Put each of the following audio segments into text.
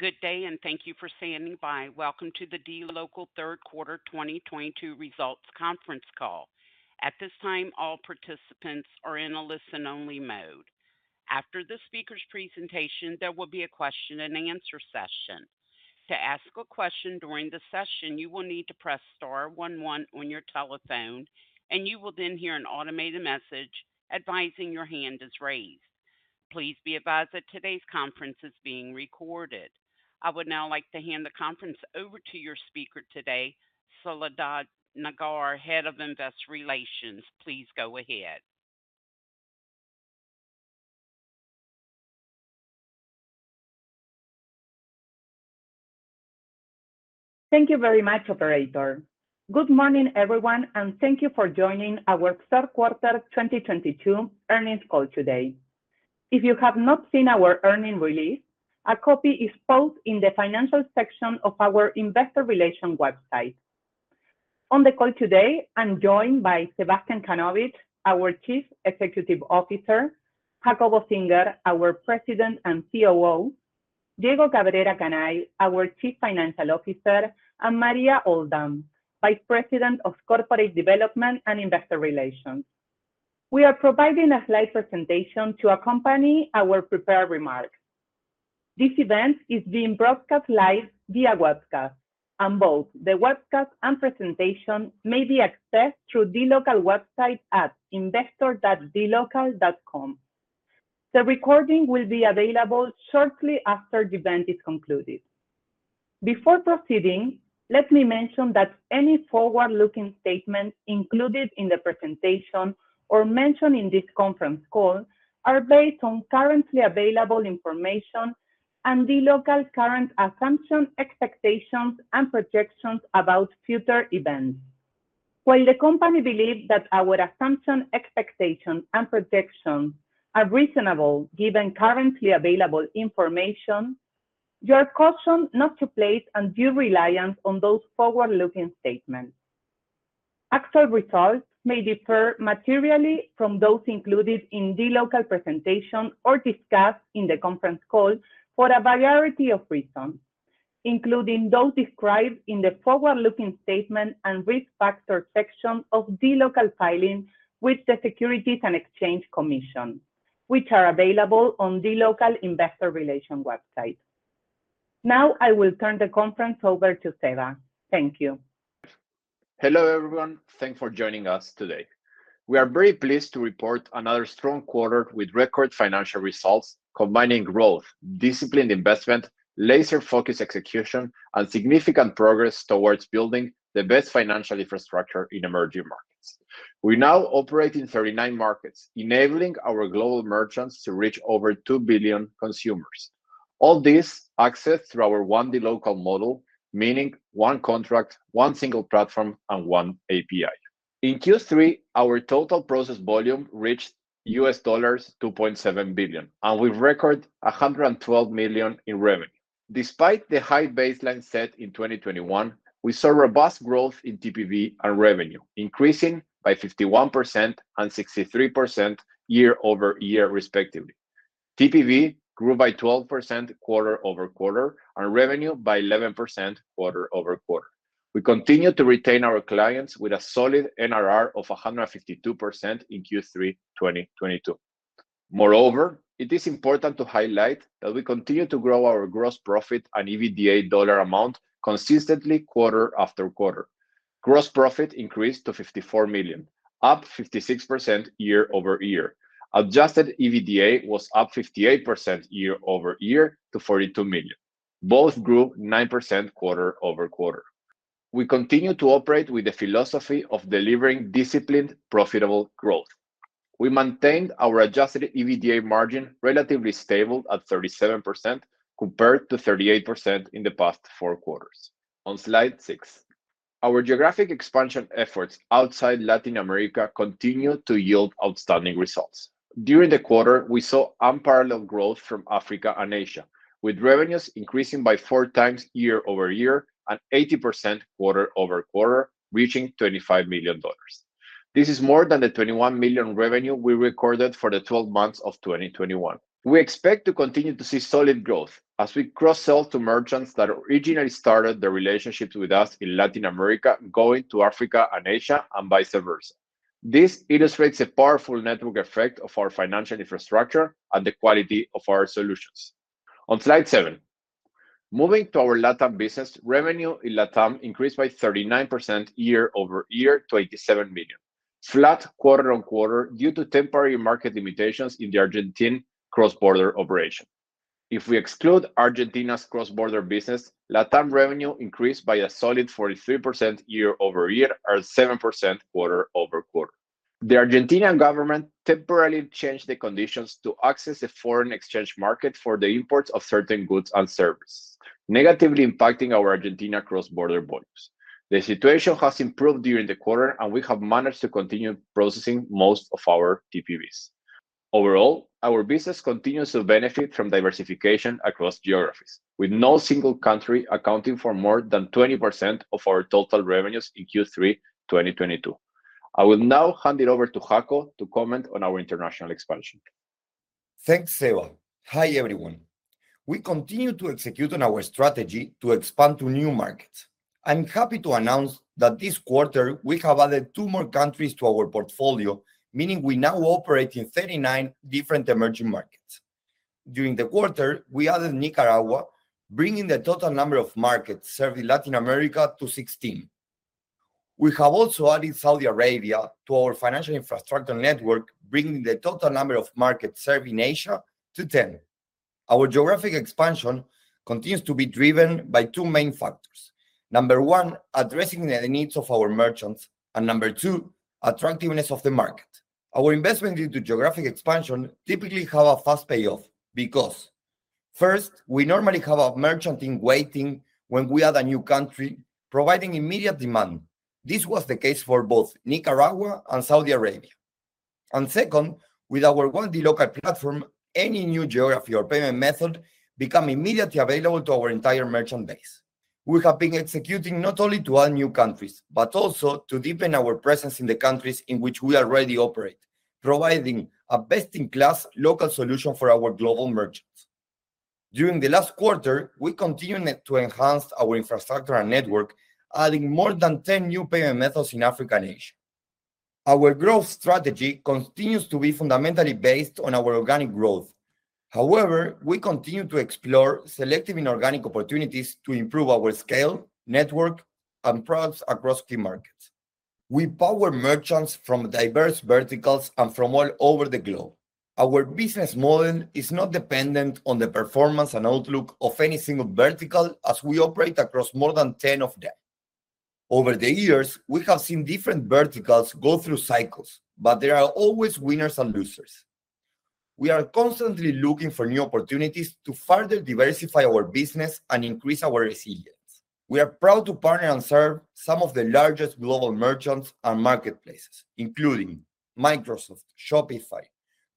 Good day, thank you for standing by. Welcome to the dLocal Q3 2022 results conference call. At this time, all participants are in a listen-only mode. After the speaker's presentation, there will be a question-and-answer session. To ask a question during the session, you will need to press star one one on your telephone, and you will then hear an automated message advising your hand is raised. Please be advised that today's conference is being recorded. I would now like to hand the conference over to your speaker today, Soledad Nager, Head of Investor Relations. Please go ahead. Thank you very much, operator. Good morning, everyone, and thank you for joining our Q3 2022 earnings call today. If you have not seen our earnings release, a copy is both in the financial section of our investor relations website. On the call today, I'm joined by Sebastián Kanovich, our Chief Executive Officer, Jacobo Singer, our President and COO, Diego Cabrera Canay, our Chief Financial Officer, and Maria Oldham, Vice President of Corporate Development and Investor Relations. We are providing a live presentation to accompany our prepared remarks. This event is being broadcast live via webcast, and both the webcast and presentation may be accessed through dLocal website at investor.dlocal.com. The recording will be available shortly after the event is concluded. Before proceeding, let me mention that any forward-looking statements included in the presentation or mentioned in this conference call are based on currently available information and dLocal's current assumptions, expectations, and projections about future events. While the company believes that our assumptions, expectations, and projections are reasonable given currently available information, you are cautioned not to place undue reliance on those forward-looking statements. Actual results may differ materially from those included in dLocal's presentation or discussed in the conference call for a variety of reasons, including those described in the forward-looking statement and risk factor section of dLocal's filing with the Securities and Exchange Commission, which are available on dLocal's investor relations website. Now, I will turn the conference over to Seba. Thank you. Hello, everyone. Thanks for joining us today. We are very pleased to report another strong quarter with record financial results, combining growth, disciplined investment, laser-focused execution, and significant progress towards building the best financial infrastructure in emerging markets. We now operate in 39 markets, enabling our global merchants to reach over 2 billion consumers. All this accessed through our one dLocal model, meaning one contract, one single platform, and one API. In Q3, our total payment volume reached $2.7 billion, and we record $112 million in revenue. Despite the high baseline set in 2021, we saw robust growth in TPV and revenue, increasing by 51% and 63% year-over-year, respectively. TPV grew by 12% quarter-over-quarter and revenue by 11% quarter-over-quarter. We continue to retain our clients with a solid NRR of 152% in Q3 2022. Moreover, it is important to highlight that we continue to grow our gross profit and EBITDA dollar amount consistently quarter after quarter. Gross profit increased to $54 million, up 56% year-over-year. Adjusted EBITDA was up 58% year-over-year to $42 million. Both grew 9% quarter-over-quarter. We continue to operate with the philosophy of delivering disciplined, profitable growth. We maintained our adjusted EBITDA margin relatively stable at 37% compared to 38% in the past 4 quarters. On slide 6. Our geographic expansion efforts outside Latin America continue to yield outstanding results. During the quarter, we saw unparalleled growth from Africa and Asia, with revenues increasing by 4x year-over-year and 80% quarter-over-quarter, reaching $25 million. This is more than the $21 million revenue we recorded for the 12 months of 2021. We expect to continue to see solid growth as we cross-sell to merchants that originally started their relationships with us in Latin America, going to Africa and Asia, and vice versa. This illustrates a powerful network effect of our financial infrastructure and the quality of our solutions. On slide 7, moving to our LATAM business, revenue in LATAM increased by 39% year-over-year to $87 million. Flat quarter-over-quarter due to temporary market limitations in the Argentine cross-border operation. If we exclude Argentina's cross-border business, LATAM revenue increased by a solid 43% year-over-year or 7% quarter-over-quarter. The Argentine government temporarily changed the conditions to access the foreign exchange market for the imports of certain goods and services, negatively impacting our Argentina cross-border volumes. The situation has improved during the quarter, and we have managed to continue processing most of our TPVs. Overall, our business continues to benefit from diversification across geographies, with no single country accounting for more than 20% of our total revenues in Q3 2022. I will now hand it over to Jacobo to comment on our international expansion. Thanks, Seba. Hi, everyone. We continue to execute on our strategy to expand to new markets. I'm happy to announce that this quarter, we have added 2 more countries to our portfolio, meaning we now operate in 39 different emerging markets. During the quarter, we added Nicaragua, bringing the total number of markets serving Latin America to 16. We have also added Saudi Arabia to our financial infrastructure network, bringing the total number of markets served in Asia to 10. Our geographic expansion continues to be driven by 2 main factors. Number 1, addressing the needs of our merchants, and number 2, attractiveness of the market. Our investment into geographic expansion typically has a fast payoff because, first, we normally have a merchant in waiting when we add a new country, providing immediate demand. This was the case for both Nicaragua and Saudi Arabia. Second, with our dLocal platform, any new geography or payment method become immediately available to our entire merchant base. We have been executing not only to add new countries, but also to deepen our presence in the countries in which we already operate, providing a best-in-class local solution for our global merchants. During the last quarter, we continued to enhance our infrastructure and network, adding more than 10 new payment methods in Africa and Asia. Our growth strategy continues to be fundamentally based on our organic growth. However, we continue to explore selective inorganic opportunities to improve our scale, network, and products across key markets. We power merchants from diverse verticals and from all over the globe. Our business model is not dependent on the performance and outlook of any single vertical as we operate across more than 10 of them. Over the years, we have seen different verticals go through cycles, but there are always winners and losers. We are constantly looking for new opportunities to further diversify our business and increase our resilience. We are proud to partner and serve some of the largest global merchants and marketplaces, including Microsoft, Shopify,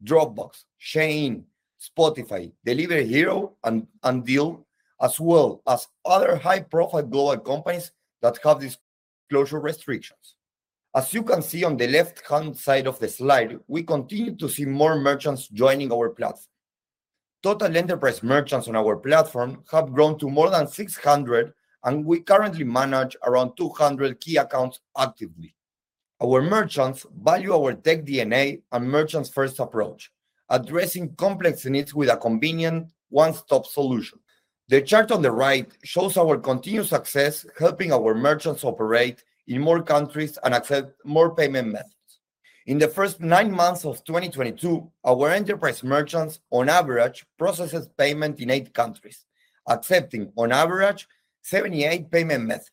Dropbox, Shein, Spotify, Delivery Hero, and Deel, as well as other high-profile global companies that have disclosure restrictions. As you can see on the left-hand side of the slide, we continue to see more merchants joining our platform. Total enterprise merchants on our platform have grown to more than 600, and we currently manage around 200 key accounts actively. Our merchants value our tech DNA and merchants first approach, addressing complex needs with a convenient one-stop solution. The chart on the right shows our continued success helping our merchants operate in more countries and accept more payment methods. In the first 9 months of 2022, our enterprise merchants on average process payments in 8 countries, accepting on average 78 payment methods.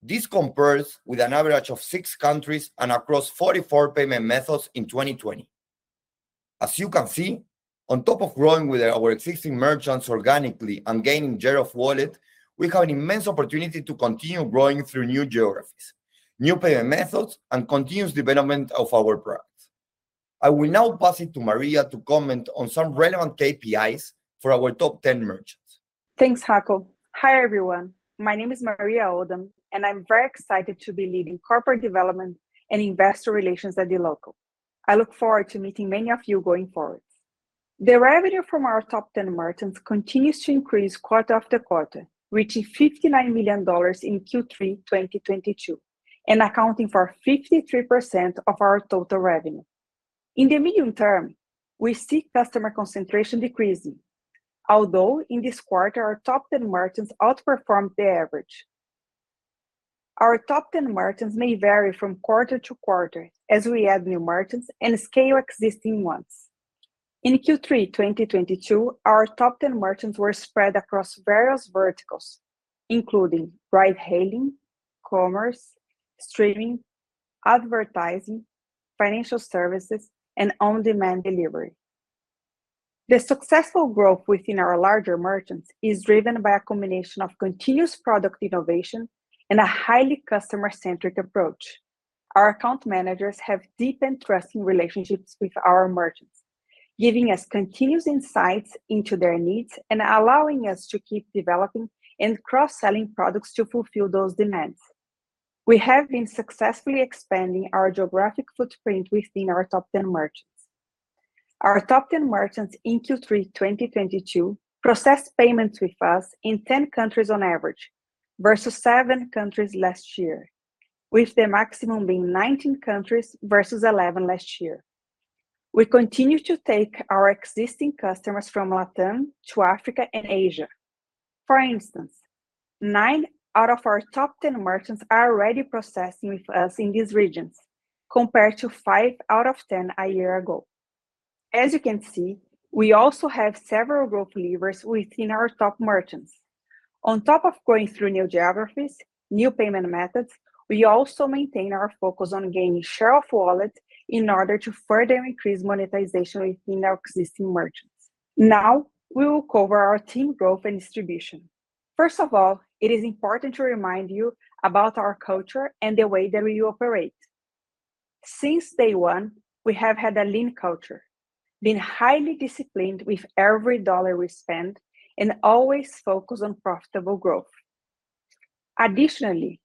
This compares with an average of 6 countries and across 44 payment methods in 2020. As you can see, on top of growing with our existing merchants organically and gaining share of wallet, we have an immense opportunity to continue growing through new geographies, new payment methods, and continuous development of our products. I will now pass it to Maria to comment on some relevant KPIs for our top 10 merchants. Thanks, Jaco. Hi, everyone. My name is Maria Oldham, and I'm very excited to be leading corporate development and investor relations at dLocal. I look forward to meeting many of you going forward. The revenue from our top ten merchants continues to increase quarter after quarter, reaching $59 million in Q3 2022 and accounting for 53% of our total revenue. In the medium term, we see customer concentration decreasing, although in this quarter, our top ten merchants outperformed the average. Our top ten merchants may vary from quarter to quarter as we add new merchants and scale existing ones. In Q3 2022, our top ten merchants were spread across various verticals, including ride hailing, commerce, streaming, advertising, financial services, and on-demand delivery. The successful growth within our larger merchants is driven by a combination of continuous product innovation and a highly customer-centric approach. Our account managers have deep and trusting relationships with our merchants, giving us continuous insights into their needs and allowing us to keep developing and cross-selling products to fulfill those demands. We have been successfully expanding our geographic footprint within our top 10 merchants. Our top 10 merchants in Q3 2022 processed payments with us in 10 countries on average versus 7 countries last year, with the maximum being 19 countries versus 11 last year. We continue to take our existing customers from Latam to Africa and Asia. For instance, 9 out of our top 10 merchants are already processing with us in these regions compared to 5 out of 10 a year ago. As you can see, we also have several growth levers within our top merchants. On top of growing through new geographies, new payment methods, we also maintain our focus on gaining share of wallet in order to further increase monetization within our existing merchants. Now, we will cover our team growth and distribution. First of all, it is important to remind you about our culture and the way that we operate. Since day one, we have had a lean culture, been highly disciplined with every dollar we spend, and always focused on profitable growth. Additionally,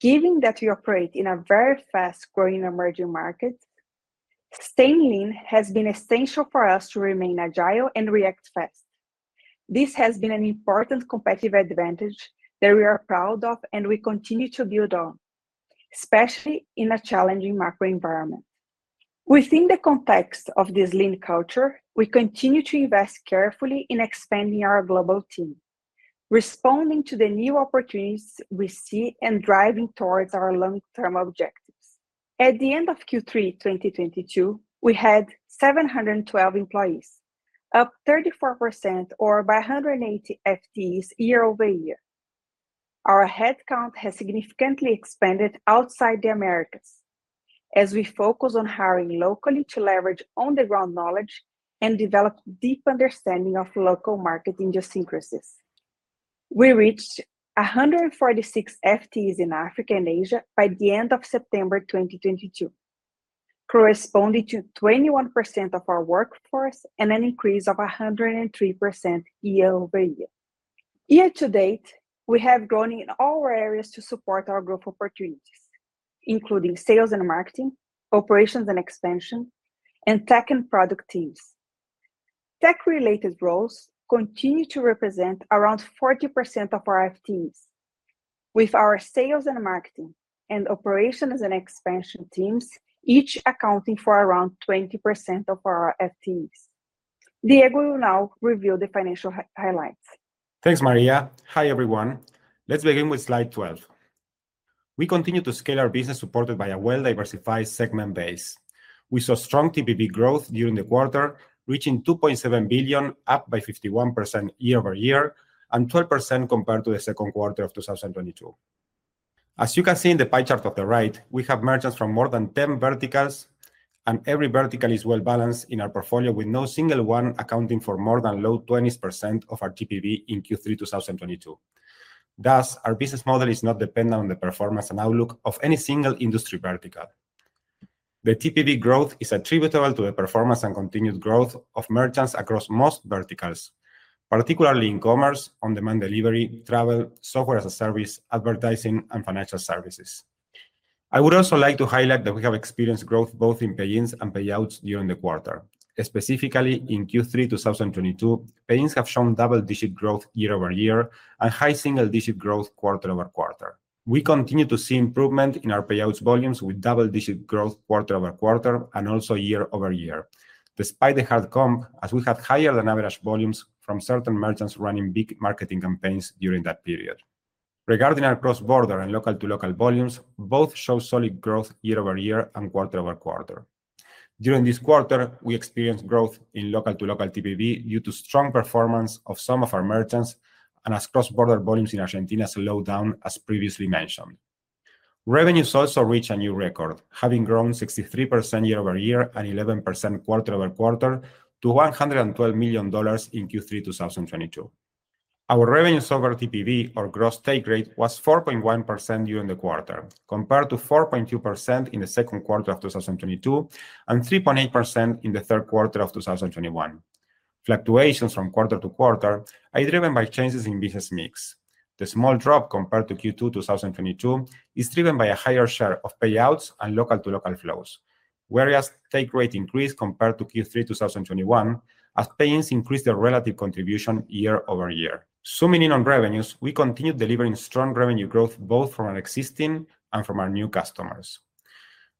given that we operate in a very fast-growing emerging market, staying lean has been essential for us to remain agile and react fast. This has been an important competitive advantage that we are proud of, and we continue to build on, especially in a challenging macro environment. Within the context of this lean culture, we continue to invest carefully in expanding our global team, responding to the new opportunities we see and driving towards our long-term objectives. At the end of Q3 2022, we had 712 employees, up 34% or by 180 FTEs year-over-year. Our headcount has significantly expanded outside the Americas as we focus on hiring locally to leverage on-the-ground knowledge and develop deep understanding of local market idiosyncrasies. We reached 146 FTEs in Africa and Asia by the end of September 2022, corresponding to 21% of our workforce and an increase of 103% year-over-year. Year-to-date, we have grown in all areas to support our growth opportunities, including sales and marketing, operations and expansion, and tech and product teams. Tech-related roles continue to represent around 40% of our FTEs, with our sales and marketing and operations and expansion teams each accounting for around 20% of our FTEs. Diego will now review the financial highlights. Thanks, Maria. Hi, everyone. Let's begin with slide 12. We continue to scale our business supported by a well-diversified segment base. We saw strong TPV growth during the quarter, reaching $2.7 billion, up by 51% year-over-year and 12% compared to the Q2 of 2022. As you can see in the pie chart at the right, we have merchants from more than 10 verticals, and every vertical is well-balanced in our portfolio with no single one accounting for more than low 20s% of our TPV in Q3 2022. Thus, our business model is not dependent on the performance and outlook of any single industry vertical. The TPV growth is attributable to the performance and continued growth of merchants across most verticals, particularly in commerce, on-demand delivery, travel, software as a service, advertising, and financial services. I would also like to highlight that we have experienced growth both in pay-ins and payouts during the quarter. Specifically, in Q3 2022, pay-ins have shown double-digit growth year-over-year and high single-digit growth quarter-over-quarter. We continue to see improvement in our payouts volumes with double-digit growth quarter-over-quarter and also year-over-year, despite the hard comp, as we had higher than average volumes from certain merchants running big marketing campaigns during that period. Regarding our cross-border and local-to-local volumes, both show solid growth year-over-year and quarter-over-quarter. During this quarter, we experienced growth in local-to-local TPV due to strong performance of some of our merchants and as cross-border volumes in Argentina slowed down, as previously mentioned. Revenues also reached a new record, having grown 63% year-over-year and 11% quarter-over-quarter to $112 million in Q3 2022. Our revenue over TPV or gross take rate was 4.1% during the quarter, compared to 4.2% in the Q2 of 2022 and 3.8% in the Q3 of 2021. Fluctuations from quarter to quarter are driven by changes in business mix. The small drop compared to Q2 2022 is driven by a higher share of payouts and local-to-local flows, whereas take rate increased compared to Q3 2021 as pay-ins increased their relative contribution year-over-year. Zooming in on revenues, we continued delivering strong revenue growth both from our existing and from our new customers.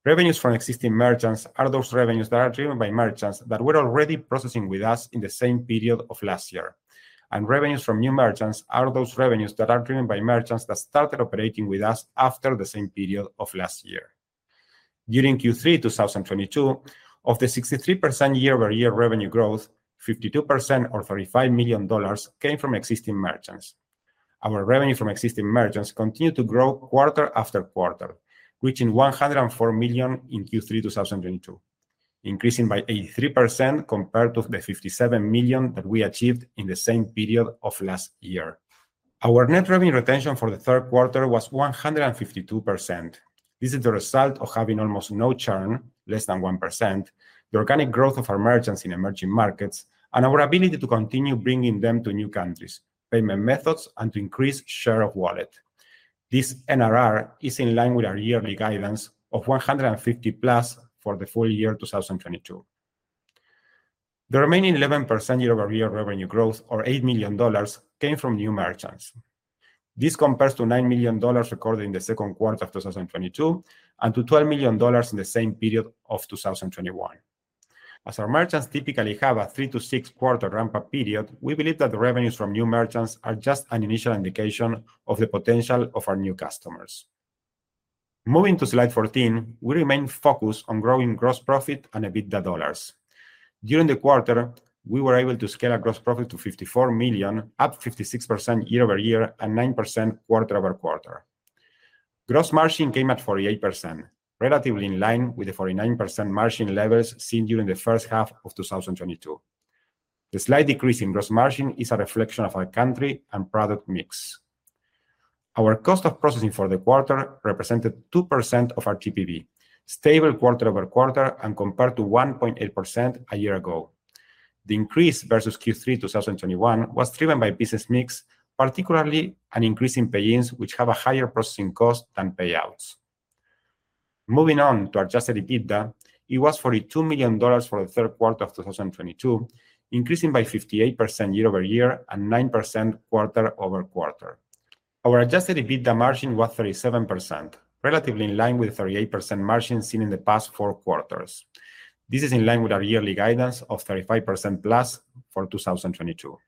Revenues from existing merchants are those revenues that are driven by merchants that were already processing with us in the same period of last year. Revenues from new merchants are those revenues that are driven by merchants that started operating with us after the same period of last year. During Q3 2022, of the 63% year-over-year revenue growth, 52% or $35 million came from existing merchants. Our revenue from existing merchants continued to grow quarter after quarter, reaching $104 million in Q3 2022, increasing by 83% compared to the $57 million that we achieved in the same period of last year. Our net revenue retention for the Q3 was 152%. This is the result of having almost no churn, less than 1%, the organic growth of our merchants in emerging markets, and our ability to continue bringing them to new countries, payment methods, and to increase share of wallet. This NRR is in line with our yearly guidance of 150+ for the full year 2022. The remaining 11% year-over-year revenue growth or $8 million came from new merchants. This compares to $9 million recorded in the Q2 of 2022 and to $12 million in the same period of 2021. As our merchants typically have a 3 to 6 quarter ramp-up period, we believe that the revenues from new merchants are just an initial indication of the potential of our new customers. Moving to slide 14, we remain focused on growing gross profit and EBITDA dollars. During the quarter, we were able to scale our gross profit to $54 million, up 56% year-over-year and 9% quarter-over-quarter. Gross margin came at 48%, relatively in line with the 49% margin levels seen during the H1 of 2022. The slight decrease in gross margin is a reflection of our country and product mix. Our cost of processing for the quarter represented 2% of our TPV, stable quarter-over-quarter and compared to 1.8% a year ago. The increase versus Q3 2021 was driven by business mix, particularly an increase in pay-ins, which have a higher processing cost than payouts. Moving on to adjusted EBITDA, it was $42 million for the Q3 of 2022, increasing by 58% year-over-year and 9% quarter-over-quarter. Our adjusted EBITDA margin was 37%, relatively in line with the 38% margin seen in the past four quarters. This is in line with our yearly guidance of 35%+ for 2022.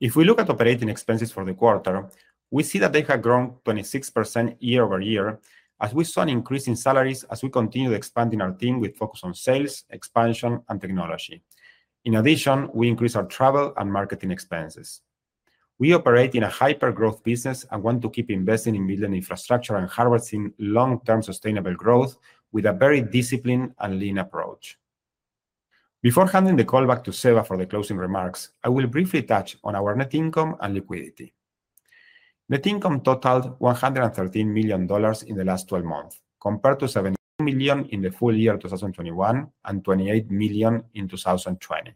If we look at operating expenses for the quarter, we see that they have grown 26% year-over-year as we saw an increase in salaries as we continue expanding our team with focus on sales, expansion, and technology. In addition, we increased our travel and marketing expenses. We operate in a hyper-growth business and want to keep investing in building infrastructure and harvesting long-term sustainable growth with a very disciplined and lean approach. Before handing the call back to Seba for the closing remarks, I will briefly touch on our net income and liquidity. Net income totaled $113 million in the last twelve months, compared to $70 million in the full year 2021 and $28 million in 2020.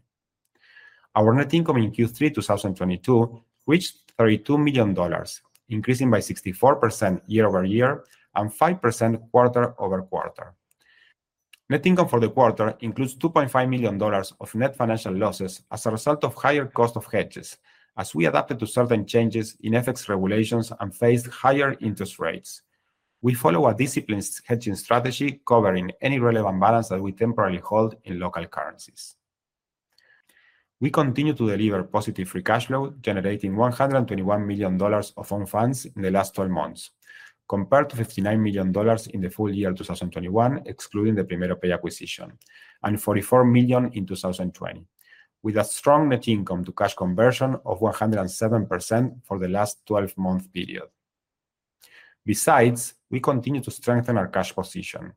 Our net income in Q3 2022 reached $32 million, increasing by 64% year-over-year and 5% quarter-over-quarter. Net income for the quarter includes $2.5 million of net financial losses as a result of higher cost of hedges as we adapted to certain changes in FX regulations and faced higher interest rates. We follow a disciplined hedging strategy covering any relevant balance that we temporarily hold in local currencies. We continue to deliver positive free cash flow, generating $121 million of owned funds in the last twelve months, compared to $59 million in the full year 2021, excluding the PrimeiroPay acquisition, and $44 million in 2020, with a strong net income to cash conversion of 107% for the last twelve-month period. Besides, we continue to strengthen our cash position.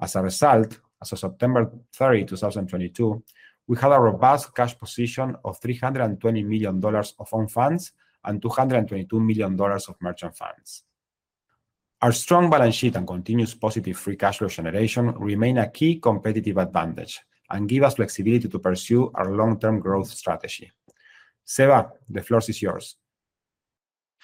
As a result, as of 30 September 2022, we had a robust cash position of $320 million of owned funds and $222 million of merchant funds. Our strong balance sheet and continuous positive free cash flow generation remain a key competitive advantage and give us flexibility to pursue our long-term growth strategy. Seba, the floor is yours.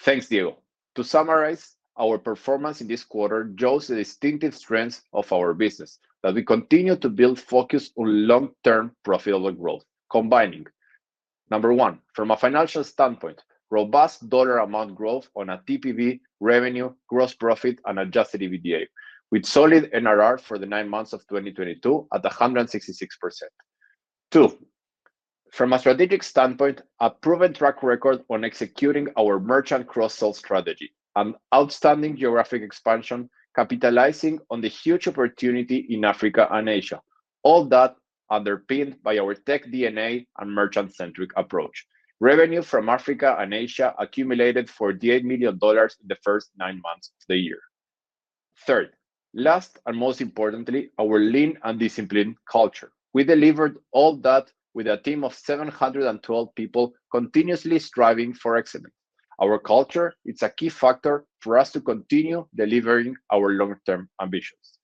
Thanks, Diego. To summarize, our performance in this quarter shows the distinctive strengths of our business that we continue to build focused on long-term profitable growth, combining, number one, from a financial standpoint, robust dollar amount growth on our TPV revenue, gross profit, and adjusted EBITDA, with solid NRR for the nine months of 2022 at 166%. Two, from a strategic standpoint, a proven track record on executing our merchant cross-sell strategy and outstanding geographic expansion capitalizing on the huge opportunity in Africa and Asia, all that underpinned by our tech DNA and merchant-centric approach. Revenue from Africa and Asia accumulated $48 million in the first nine months of the year. Third, last and most importantly, our lean and disciplined culture. We delivered all that with a team of 712 people continuously striving for excellence. Our culture, it's a key factor for us to continue delivering our long-term ambitions.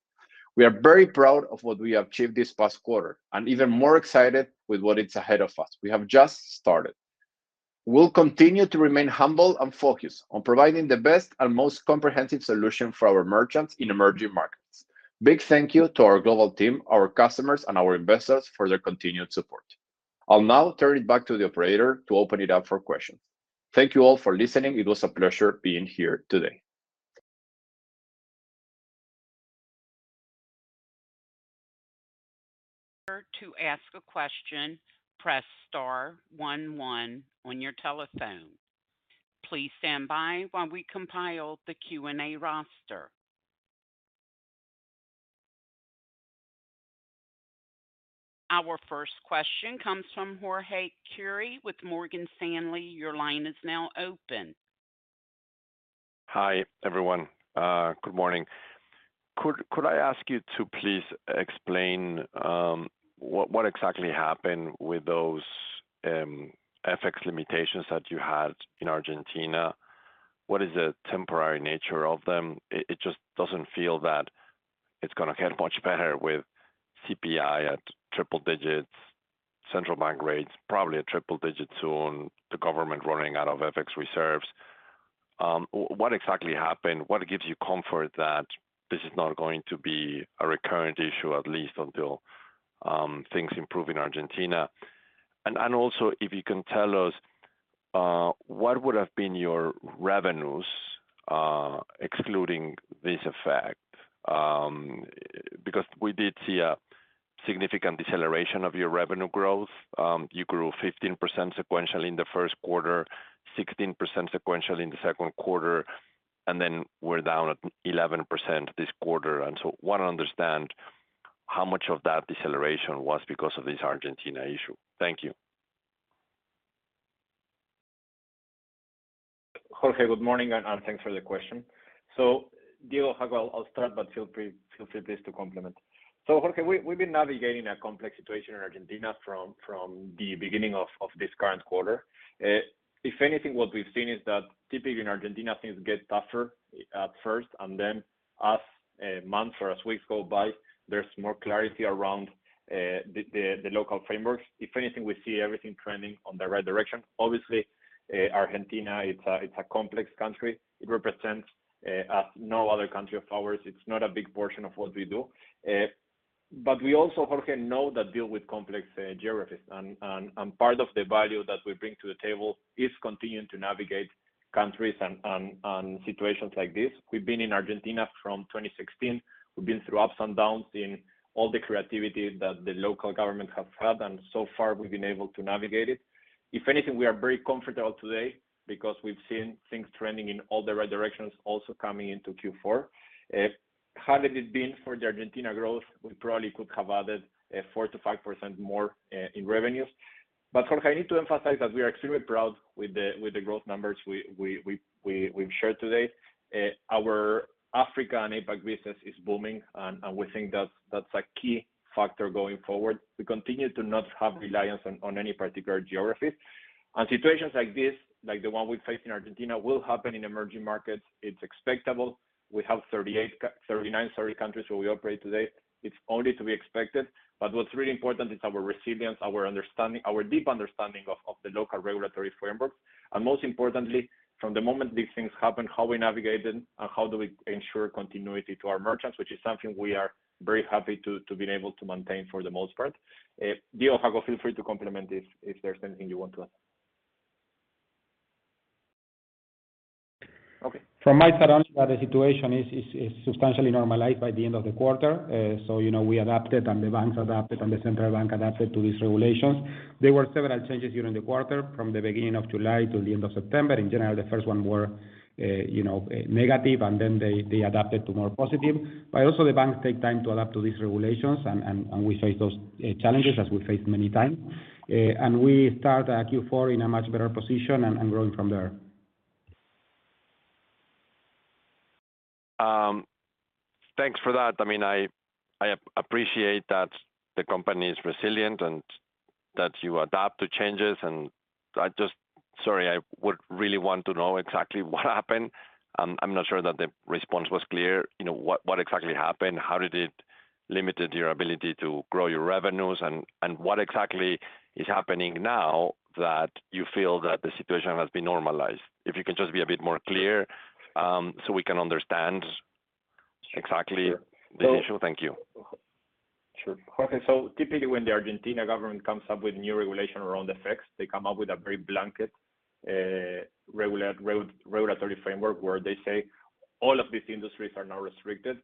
We are very proud of what we achieved this past quarter, and even more excited with what is ahead of us. We have just started. We'll continue to remain humble and focused on providing the best and most comprehensive solution for our merchants in emerging markets. Big thank you to our global team, our customers, and our investors for their continued support. I'll now turn it back to the operator to open it up for questions. Thank you all for listening. It was a pleasure being here today. To ask a question, press star one one on your telephone. Please stand by while we compile the Q&A roster. Our first question comes from Jorge Kuri with Morgan Stanley. Your line is now open. Hi, everyone. Good morning. Could I ask you to please explain what exactly happened with those FX limitations that you had in Argentina? What is the temporary nature of them? It just doesn't feel that it's gonna get much better with CPI at triple digits, central bank rates probably at triple digits soon, the government running out of FX reserves. What exactly happened? What gives you comfort that this is not going to be a recurrent issue, at least until things improve in Argentina? If you can tell us what would have been your revenues excluding this effect? Because we did see a significant deceleration of your revenue growth. You grew 15% sequentially in the Q1, 16% sequentially in the Q2, and then we're down at 11% this quarter. Want to understand how much of that deceleration was because of this Argentina issue. Thank you. Jorge, good morning, and thanks for the question. Diego, Jacobo, I'll start but feel free please to supplement. So, we've been navigating a complex situation in Argentina from the beginning of this current quarter. If anything, what we've seen is that typically in Argentina things get tougher at first, and then as months or weeks go by, there's more clarity around the local frameworks. If anything, we see everything trending in the right direction. Obviously, Argentina, it's a complex country. It represents as no other country of ours. It's not a big portion of what we do. But we also, Jorge, know we deal with complex geographies. Part of the value that we bring to the table is continuing to navigate countries and situations like this. We've been in Argentina from 2016. We've been through ups and downs in all the creativity that the local government have had, and so far, we've been able to navigate it. If anything, we are very comfortable today because we've seen things trending in all the right directions, also coming into Q4. Had it been for the Argentina growth, we probably could have added 4 to 5% more in revenues. But Jorge, I need to emphasize that we are extremely proud with the growth numbers we've shared today. Our Africa and APAC business is booming, and we think that's a key factor going forward. We continue to not have reliance on any particular geographies. Situations like this, like the one we face in Argentina, will happen in emerging markets. It's expectable. We have 38, 39 sorry, countries where we operate today. It's only to be expected. What's really important is our resilience, our understanding, our deep understanding of the local regulatory frameworks. Most importantly, from the moment these things happen, how we navigate it, and how do we ensure continuity to our merchants, which is something we are very happy to be able to maintain for the most part. Diego, Jacobo, feel free to comment if there's anything you want to add. Okay. From my side, the situation is substantially normalized by the end of the quarter. So, you know, we adapted and the banks adapted and the central bank adapted to these regulations. There were several changes during the quarter from the beginning of July to the end of September. In general, the first one were negative, and then they adapted to more positive. Also, the banks take time to adapt to these regulations, and we face those challenges as we face many times. We start Q4 in a much better position and growing from there. Thanks for that. I mean, I appreciate that the company is resilient and that you adapt to changes. Sorry, I would really want to know exactly what happened. I'm not sure that the response was clear. You know, what exactly happened? How did it limit your ability to grow your revenues? What exactly is happening now that you feel that the situation has been normalized? If you can just be a bit more clear, so we can understand exactly the issue. Thank you. Sure. Jorge, typically when the Argentine government comes up with new regulation around the FX, they come up with a very blanket, regulatory framework, where they say, "All of these industries are now restricted."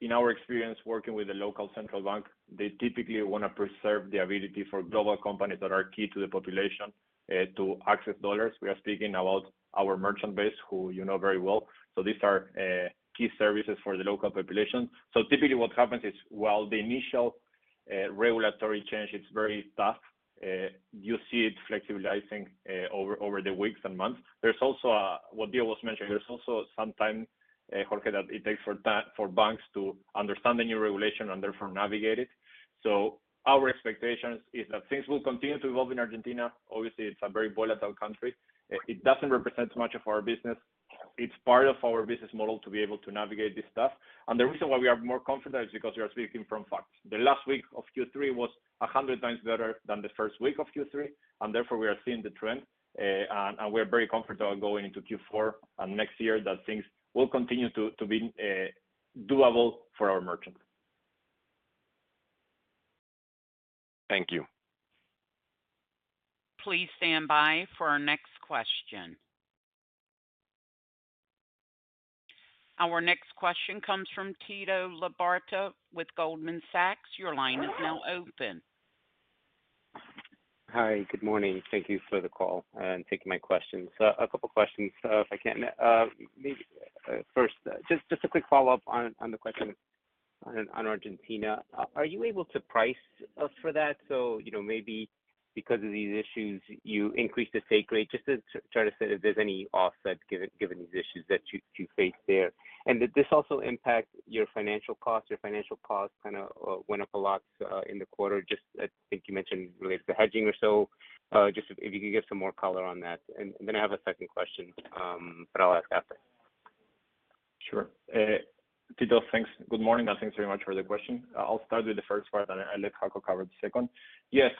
In our experience working with the local central bank, they typically wanna preserve the ability for global companies that are key to the population, to access dollars. We are speaking about our merchant base, who you know very well. These are key services for the local population. Typically, what happens is while the initial, regulatory change is very tough, you see it flexibilizing over the weeks and months. There's also what Diego was mentioning. There's also some time, Jorge, that it takes for banks to understand the new regulation and therefore navigate it. Our expectations is that things will continue to evolve in Argentina. Obviously, it's a very volatile country. It doesn't represent much of our business. It's part of our business model to be able to navigate this stuff. The reason why we are more confident is because we are speaking from facts. The last week of Q3 was 100 times better than the first week of Q3, and therefore we are seeing the trend. We're very comfortable going into Q4 and next year that things will continue to be doable for our merchants. Thank you. Please stand by for our next question. Our next question comes from Tito Labarta with Goldman Sachs. Your line is now open. Hi. Good morning. Thank you for the call and taking my questions. A couple questions, if I can. Maybe first, just a quick follow-up on the question on Argentina. Are you able to price for that? You know, maybe because of these issues, you increased the take rate, just to try to see if there's any offset given these issues that you faced there. Did this also impact your financial costs? Your financial costs kind a went up a lot in the quarter, just I think you mentioned related to hedging or so. Just if you could give some more color on that. I have a second question, but I'll ask after. Sure. Tito, thanks. Good morning, and thanks very much for the question. I'll start with the first part, and I'll let Paco cover the second. Yes,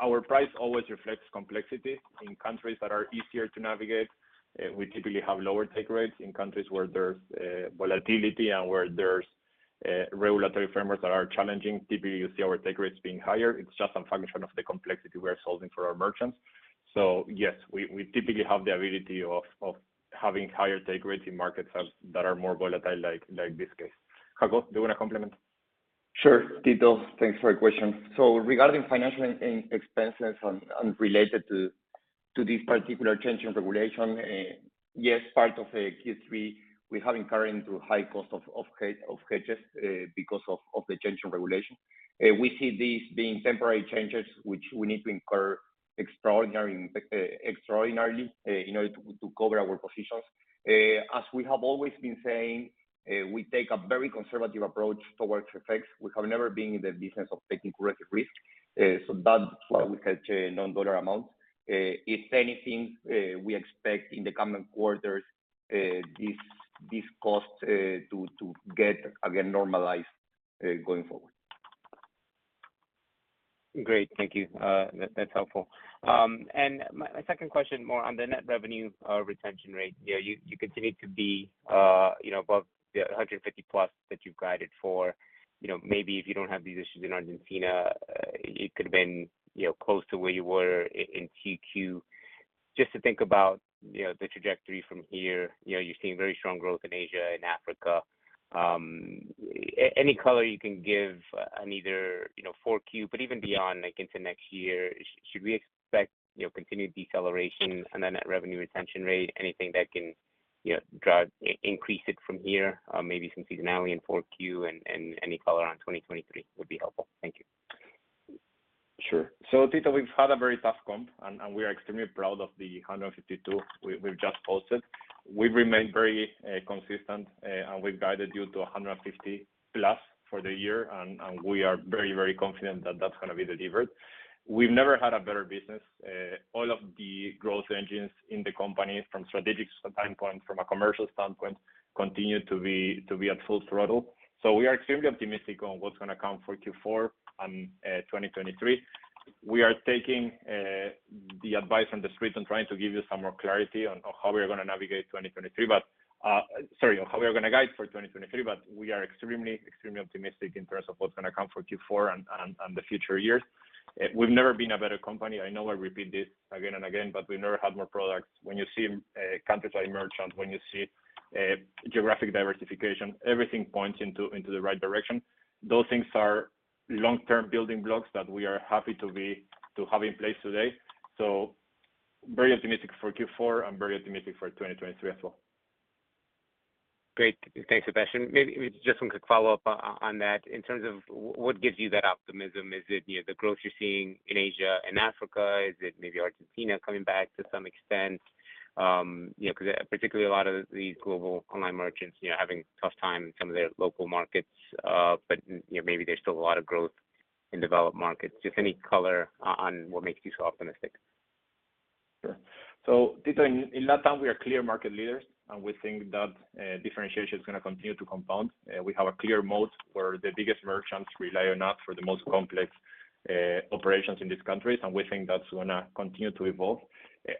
our price always reflects complexity. In countries that are easier to navigate, we typically have lower take rates. In countries where there's volatility and where there's regulatory frameworks that are challenging, typically you see our take rates being higher. It's just a function of the complexity we are solving for our merchants. Yes, we typically have the ability of having higher take rates in markets that are more volatile, like this case. Jaco, do you wanna complement? Sure. Tito, thanks for your question. Regarding financial expenses unrelated to this particular change in regulation, yes, part of Q3, we have incurred into high cost of cash because of the change in regulation. We see these being temporary changes which we need to incur extraordinarily, you know, to cover our positions. As we have always been saying, we take a very conservative approach towards FX. We have never been in the business of taking corrective risk. That's why we had non-dollar amounts. If anything, we expect in the coming quarters these costs to get again normalized going forward. Great. Thank you. That's helpful. My second question more on the net revenue retention rate. You know, you continue to be above the 150+ that you've guided for. You know, maybe if you don't have these issues in Argentina, it could've been close to where you were in Q2. Just to think about the trajectory from here, you know, you're seeing very strong growth in Asia and Africa. Any color you can give on either 4Q, but even beyond, like, into next year. Should we expect continued deceleration on the net revenue retention rate? Anything that can drive increase it from here, maybe some seasonality in 4Q and any color in 2023 would be helpful. Thank you. Sure. Tito, we've had a very tough comp and we are extremely proud of the 152 we've just posted. We remain very consistent and we've guided you to 150+ for the year, and we are very confident that that's gonna be delivered. We've never had a better business. All of the growth engines in the company from strategic standpoint, from a commercial standpoint, continue to be at full throttle. We are extremely optimistic on what's gonna come for Q4 and 2023. We are taking the advice from The Street and trying to give you some more clarity on how we are gonna navigate 2023, but sorry, on how we are gonna guide for 2023. We are extremely optimistic in terms of what's gonna come for Q4 and the future years. We've never been a better company. I know I repeat this again and again, but we never had more products. When you see countryside merchants, when you see geographic diversification, everything points into the right direction. Those things are long-term building blocks that we are happy to have in place today. Very optimistic for Q4 and very optimistic for 2023 as well. Great. Thanks, Sebastián. Maybe just one quick follow-up on that. In terms of what gives you that optimism? Is it, you know, the growth you're seeing in Asia and Africa? Is it maybe Argentina coming back to some extent? You know, cause particularly a lot of these global online merchants, you know, are having a tough time in some of their local markets, but, you know, maybe there's still a lot of growth in developed markets. Just any color on what makes you so optimistic. Sure. Tito, in LatAm we are clear market leaders, and we think that differentiation is gonna continue to compound. We have a clear mode where the biggest merchants rely on us for the most complex operations in these countries, and we think that's gonna continue to evolve.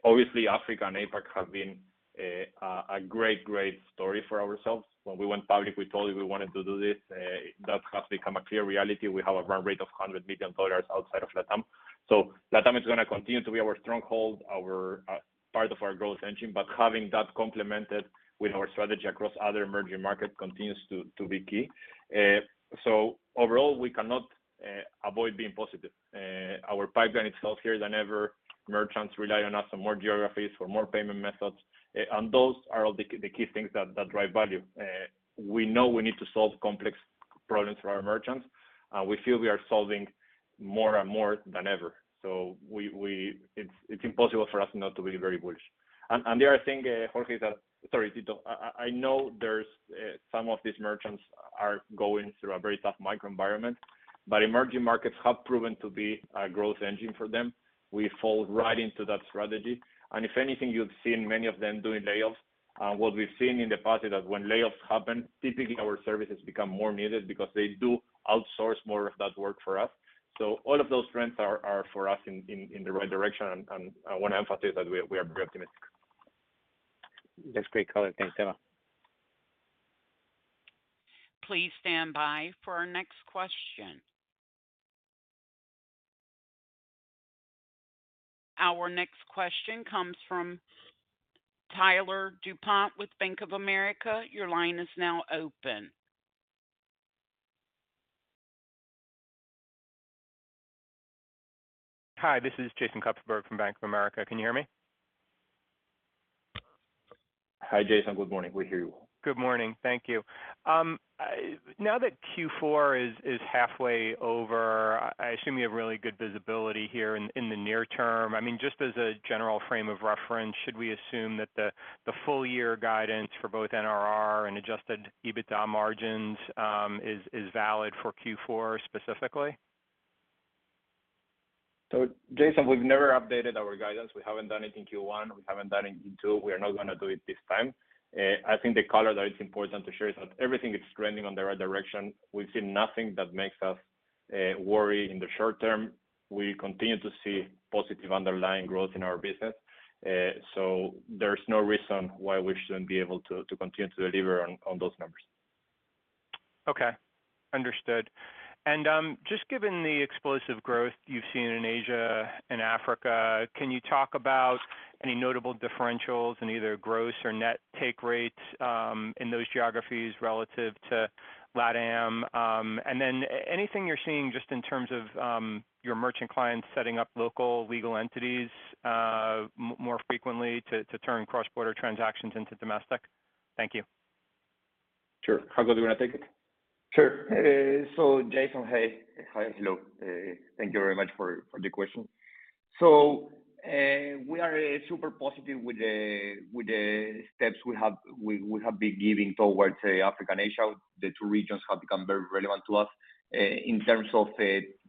Obviously, Africa and APAC have been a great story for ourselves. When we went public, we told you we wanted to do this. That has become a clear reality. We have a run rate of $100 million outside of LatAm. LatAm is gonna continue to be our stronghold, our part of our growth engine. Having that complemented with our strategy across other emerging markets continues to be key. Overall, we cannot avoid being positive. Our pipeline is healthier than ever. Merchants rely on us for more geographies, for more payment methods, and those are all the key things that drive value. We know we need to solve complex problems for our merchants. We feel we are solving more and more than ever. It's impossible for us not to be very bullish. The other thing, Jorge. Sorry, Tito. I know there's some of these merchants are going through a very tough macro environment, but emerging markets have proven to be a growth engine for them. We fall right into that strategy. If anything, you've seen many of them doing layoffs. What we've seen in the past is that when layoffs happen, typically our services become more needed because they do outsource more of that work for us. All of those trends are for us in the right direction, and I wanna emphasize that we are very optimistic. That's great color. Thanks. Thelma? Please stand by for our next question. Our next question comes from Tyler Dupont with Bank of America. Your line is now open. Hi, this is Jason Kupferberg from Bank of America. Can you hear me? Hi, Jason. Good morning. We hear you well. Good morning. Thank you. Now that Q4 is halfway over, I assume you have really good visibility here in the near term. I mean, just as a general frame of reference, should we assume that the full year guidance for both NRR and adjusted EBITDA margins is valid for Q4 specifically? Jason, we've never updated our guidance. We haven't done it in Q1, we haven't done it in Q2. We are not gonna do it this time. I think the color that is important to share is that everything is trending on the right direction. We've seen nothing that makes us worry in the short term. We continue to see positive underlying growth in our business. There's no reason why we shouldn't be able to continue to deliver on those numbers. Okay. Understood. Just given the explosive growth you've seen in Asia and Africa, can you talk about any notable differentials in either gross or net take rates in those geographies relative to LatAm? Then anything you're seeing just in terms of your merchant clients setting up local legal entities more frequently to turn cross-border transactions into domestic? Thank you. Sure. Jaco, do you want to take it? Sure. Jason, hey. Hi. Hello. Thank you very much for the question. We are super positive with the steps we have been giving towards Africa and Asia. The two regions have become very relevant to us. In terms of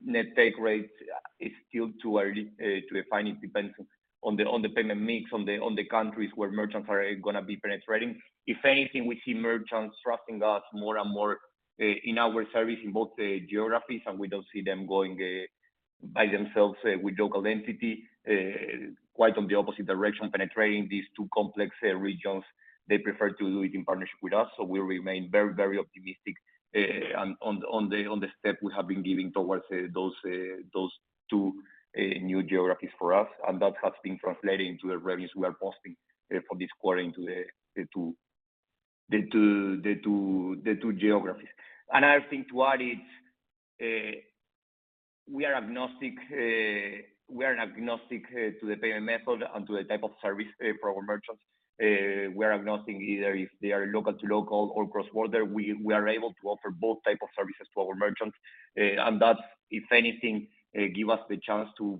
net take rates, it's still too early to define it dependent on the payment mix, on the countries where merchants are gonna be penetrating. If anything, we see merchants trusting us more and more in our service in both the geographies, and we don't see them going by themselves with local entity. Quite the opposite direction, penetrating these two complex regions, they prefer to do it in partnership with us. We remain very, very optimistic on the step we have been giving towards those two new geographies for us. That has been translating to the revenues we are posting for this quarter into the two geographies. Another thing to add is, we are agnostic to the payment method and to the type of service for our merchants. We're agnostic either if they are local to local or cross-border, we are able to offer both type of services to our merchants. That, if anything, give us the chance to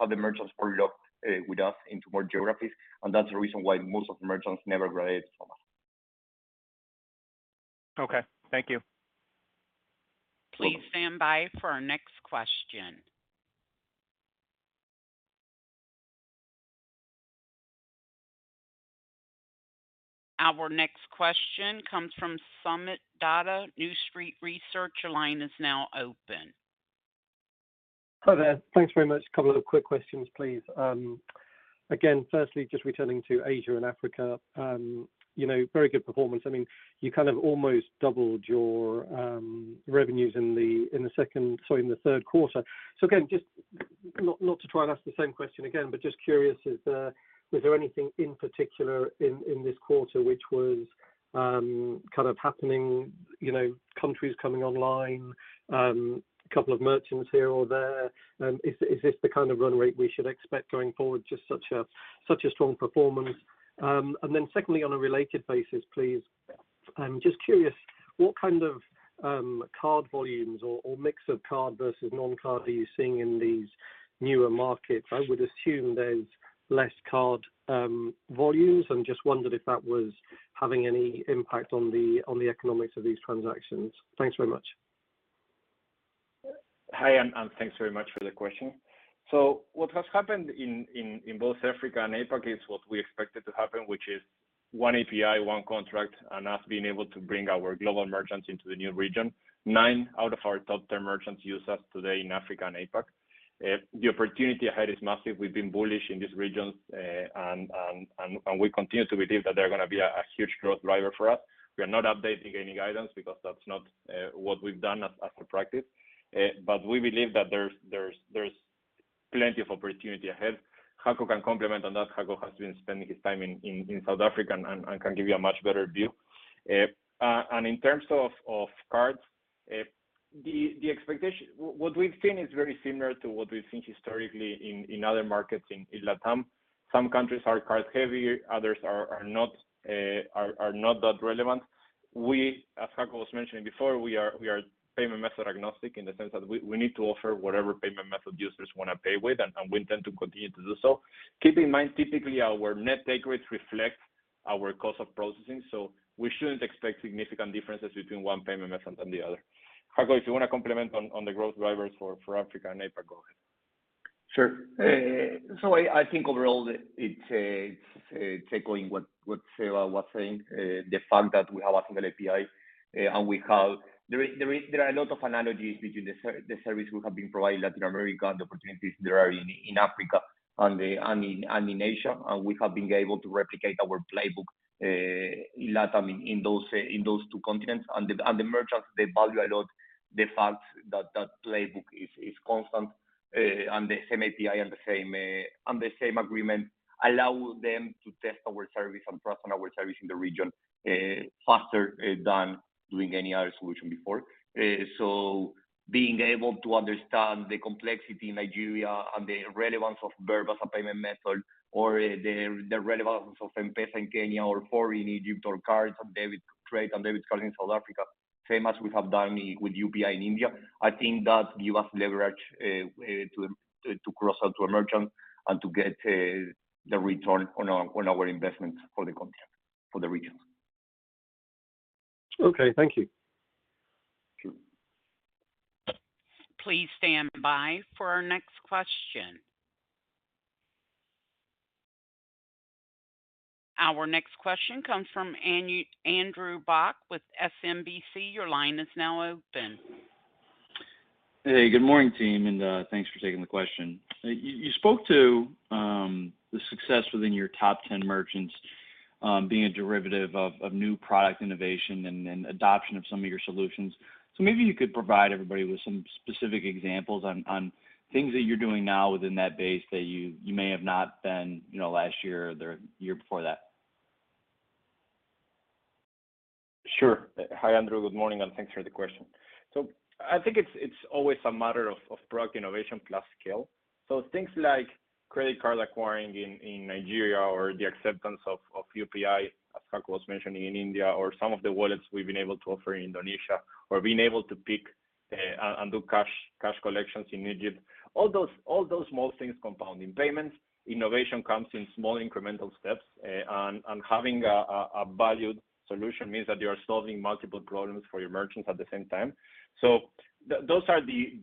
have the merchants product with us into more geographies. That's the reason why most of the merchants never graduate from us. Okay. Thank you. Please stand by for our next question. Our next question comes from Sumita Pandit, New Street Research. Your line is now open. Hi there. Thanks very much. A couple of quick questions, please. Again, firstly, just returning to Asia and Africa, you know, very good performance. I mean, you kind of almost doubled your revenues in the Q3. Again, just not to try and ask the same question again, but just curious if there was anything in particular in this quarter which was kind of happening, you know, countries coming online, a couple of merchants here or there. Is this the kind of run rate we should expect going forward, just such a strong performance? And then secondly, on a related basis, please, I'm just curious what kind of card volumes or mix of card versus non-card are you seeing in these newer markets? I would assume there's less card volumes. I'm just wondered if that was having any impact on the economics of these transactions. Thanks very much. Hi, thanks very much for the question. What has happened in both Africa and APAC is what we expected to happen, which is one API, one contract, and us being able to bring our global merchants into the new region. Nine out of our top ten merchants use us today in Africa and APAC. The opportunity ahead is massive. We've been bullish in these regions, and we continue to believe that they're gonna be a huge growth driver for us. We are not updating any guidance because that's not what we've done as a practice. But we believe that there's plenty of opportunity ahead. Jacobo can comment on that. Jacobo has been spending his time in South Africa and can give you a much better view. In terms of cards, what we've seen is very similar to what we've seen historically in other markets in LatAm. Some countries are card-heavy, others are not that relevant. We, as Jacobo was mentioning before, we are payment method agnostic in the sense that we need to offer whatever payment method users wanna pay with, and we intend to continue to do so. Keep in mind, typically our net take rates reflect our cost of processing, so we shouldn't expect significant differences between one payment method and the other. Jacobo, if you wanna comment on the growth drivers for Africa and APAC, go ahead. Sure. So, I think overall it's echoing what Seba was saying, the fact that we have a single API and there are a lot of analogies between the service we have been providing Latin America and the opportunities there are in Africa and in Asia. We have been able to replicate our playbook in LatAm in those two continents. The merchants value a lot the fact that that playbook is constant, and the same API and the same agreement allow them to test our service and trust on our service in the region faster than doing any other solution before. Being able to understand the complexity in Nigeria and the relevance of Verve as a payment method or the relevance of M-PESA in Kenya or Fawry in Egypt or cards and debit order and debit card in South Africa, same as we have done with UPI in India. I think that give us leverage to cross-sell to a merchant and to get the return on our investment for the continent, for the region. Okay. Thank you. Sure. Please stand by for our next question. Our next question comes from Andrew Bauch with SMBC. Your line is now open. Hey, good morning, team, and thanks for taking the question. You spoke to the success within your top 10 merchants being a derivative of new product innovation and adoption of some of your solutions. Maybe you could provide everybody with some specific examples on things that you're doing now within that base that you may have not been, you know, last year or the year before that. Sure. Hi, Andrew. Good morning, and thanks for the question. I think it's always a matter of product innovation plus scale. Things like credit card acquiring in Nigeria or the acceptance of UPI, as Paco was mentioning, in India or some of the wallets we've been able to offer in Indonesia or being able to pick and do cash collections in Egypt. All those small things compound. In payments, innovation comes in small incremental steps, and having a valued solution means that you are solving multiple problems for your merchants at the same time. Those are the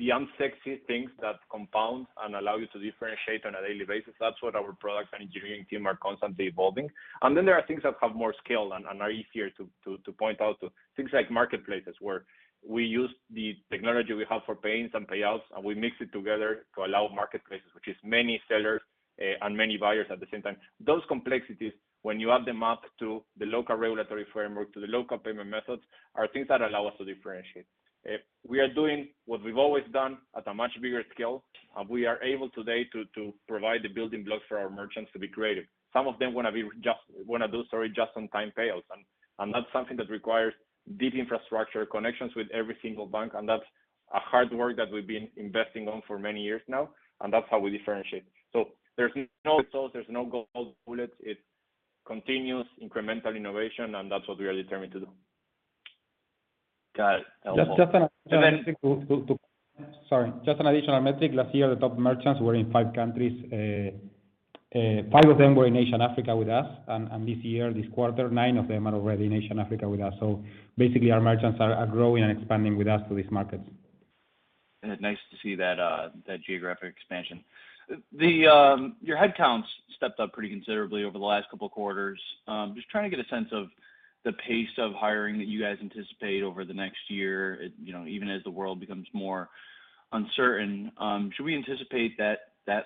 unsexy things that compound and allow you to differentiate on a daily basis. That's what our product and engineering team are constantly evolving. There are things that have more scale and are easier to point out to. Things like marketplaces, where we use the technology, we have for payments and payouts, and we mix it together to allow marketplaces, which is many sellers and many buyers at the same time. Those complexities, when you add them up to the local regulatory framework, to the local payment methods, are things that allow us to differentiate. We are doing what we've always done at a much bigger scale, and we are able today to provide the building blocks for our merchants to be creative. Some of them wanna do just on-time payouts. That's something that requires deep infrastructure, connections with every single bank, and that's a hard work that we've been investing on for many years now, and that's how we differentiate. There's no result, there's no silver bullet. It continues incremental innovation, and that's what we are determined to do. Got it. Helpful. Just an additional. And then- Sorry. Just an additional metric. Last year, the top merchants were in 5 countries. 5 of them were in Asia and Africa with us. This year, this quarter, 9 of them are already in Asia and Africa with us. Basically, our merchants are growing and expanding with us to these markets. Nice to see that geographic expansion. Your headcounts stepped up pretty considerably over the last couple quarters. Just trying to get a sense of the pace of hiring that you guys anticipate over the next year, you know, even as the world becomes more uncertain. Should we anticipate that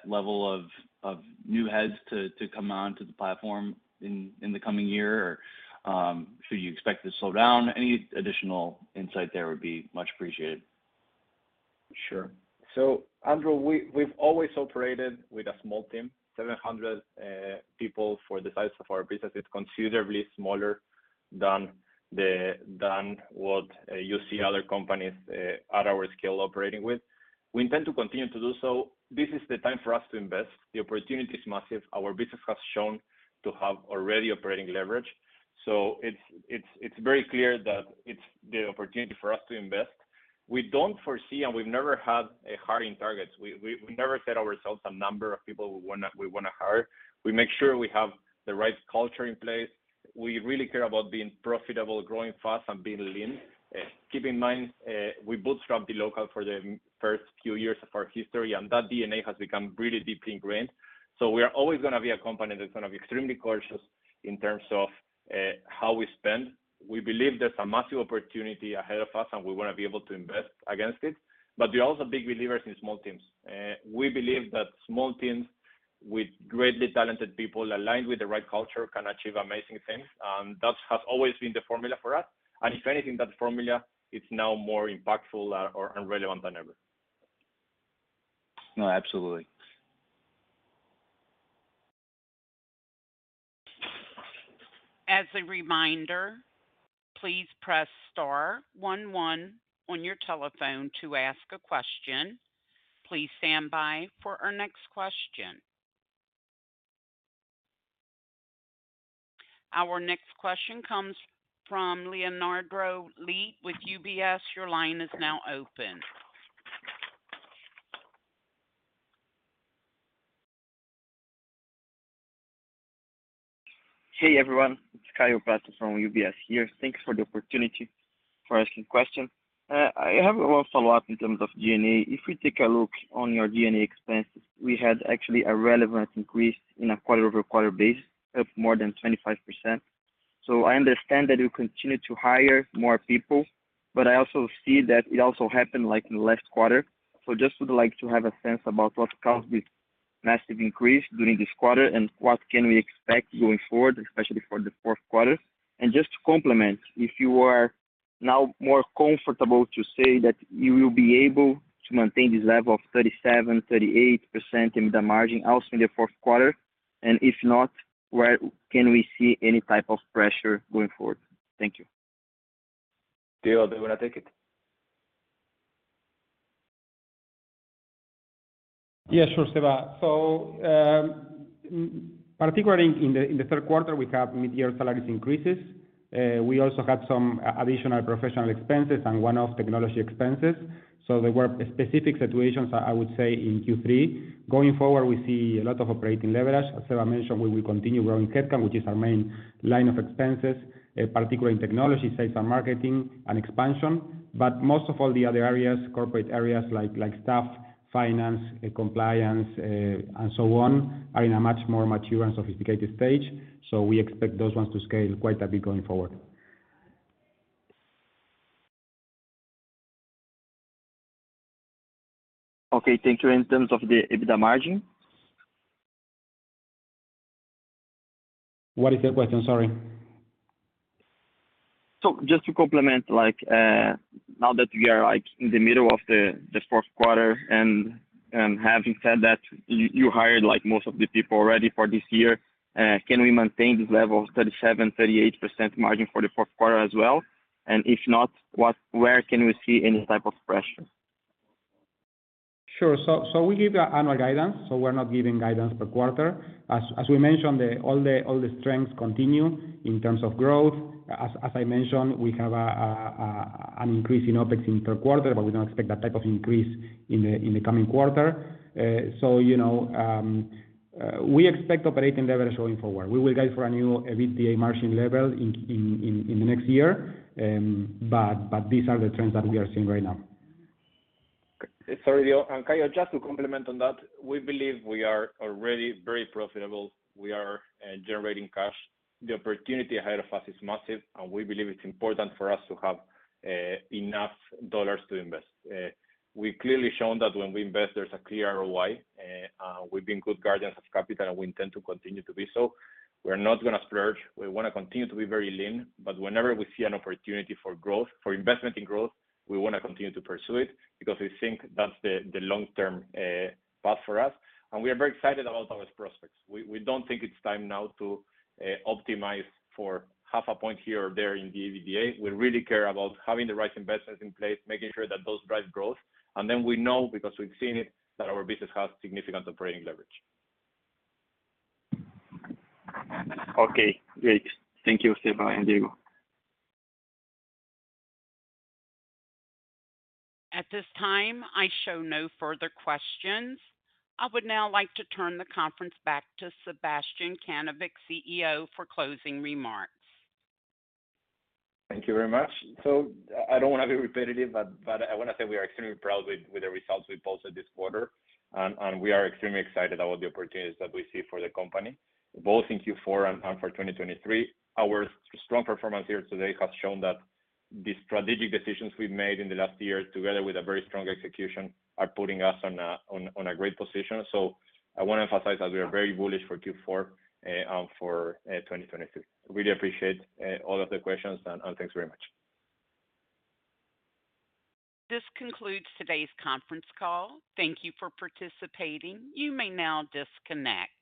level of new heads to come onto the platform in the coming year? Or should you expect to slow down? Any additional insight there would be much appreciated. Sure. Andrew, we've always operated with a small team, 700 people. For the size of our business, it's considerably smaller than what you see other companies at our scale operating with. We intend to continue to do so. This is the time for us to invest. The opportunity is massive. Our business has shown to have already operating leverage. It's very clear that it's the opportunity for us to invest. We don't foresee and we've never had hiring targets. We've never set ourselves a number of people we wanna hire. We make sure we have the right culture in place. We really care about being profitable, growing fast and being lean. Keep in mind, we bootstrap dLocal for the first few years of our history, and that DNA has become really deeply ingrained. We are always gonna be a company that's gonna be extremely cautious in terms of how we spend. We believe there's a massive opportunity ahead of us, and we wanna be able to invest against it. We're also big believers in small teams. We believe that small teams with greatly talented people aligned with the right culture can achieve amazing things. That has always been the formula for us. If anything, that formula is now more impactful or, and relevant than ever. No, absolutely. As a reminder, please press star one one on your telephone to ask a question. Please stand by for our next question. Our next question comes from Leonardo Lee with UBS. Your line is now open. Hey, everyone. It's Caio Prato from UBS here. Thanks for the opportunity for asking questions. I have one follow-up in terms of G&A. If we take a look on your G&A expenses, we had actually a relevant increase in a quarter-over-quarter base of more than 25%. I understand that you continue to hire more people, but I also see that it also happened like in the last quarter. Just would like to have a sense about what caused this massive increase during this quarter and what can we expect going forward, especially for the Q4. Just to complement, if you are now more comfortable to say that you will be able to maintain this level of 37 to 38% EBITDA margin also in the Q4. If not, where can we see any type of pressure going forward? Thank you. Jaco, do you wanna take it? Yeah, sure, Seba. Particularly in the Q3, we have mid-year salaries increases. We also had some additional professional expenses and one-off technology expenses. There were specific situations, I would say, in Q3. Going forward, we see a lot of operating leverage. As Seba mentioned, we will continue growing CapEx, which is our main line of expenses, particularly in technology, sales and marketing and expansion. But most of all the other areas, corporate areas like staff, finance, compliance, and so on, are in a much more mature and sophisticated stage. We expect those ones to scale quite a bit going forward. Okay. Thank you. In terms of the EBITDA margin? What is that question? Sorry. Just to complement, like, now that we are like in the middle of this Q4, and having said that, you hired like most of the people already for this year, can we maintain this level of 37 to 38% margin for the Q4 as well? If not, where can we see any type of pressure? Sure. We give our annual guidance, so we're not giving guidance per quarter. As we mentioned, all the strengths continue in terms of growth. As I mentioned, we have an increase in OpEx per quarter, but we don't expect that type of increase in the coming quarter. You know, we expect operating leverage going forward. We will guide for a new EBITDA margin level in the next year. These are the trends that we are seeing right now. Sorry, Caio, just to comment on that, we believe we are already very profitable. We are generating cash. The opportunity ahead of us is massive, and we believe it's important for us to have enough dollars to invest. We've clearly shown that when we invest, there's a clear ROI. We've been good guardians of capital, and we intend to continue to be so. We're not gonna splurge. We wanna continue to be very lean, but whenever we see an opportunity for growth, for investment in growth, we wanna continue to pursue it because we think that's the long-term path for us. We are very excited about our prospects. We don't think it's time now to optimize for half a point here or there in the EBITDA. We really care about having the right investments in place, making sure that those drive growth. We know, because we've seen it, that our business has significant operating leverage. Okay, great. Thank you, Seba and Diego. At this time, I show no further questions. I would now like to turn the conference back to Sebastián Kanovich, CEO, for closing remarks. Thank you very much. I don't wanna be repetitive, but I wanna say we are extremely proud with the results we posted this quarter. We are extremely excited about the opportunities that we see for the company, both in Q4 and for 2023. Our strong performance here today has shown that the strategic decisions we've made in the last year, together with a very strong execution, are putting us on a great position. I wanna emphasize that we are very bullish for Q4 and for 2023. Really appreciate all of the questions and thanks very much. This concludes today's conference call. Thank you for participating. You may now disconnect.